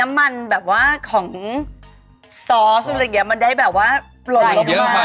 อ๋อมันได้แบบว่าหล่อยหรือมะ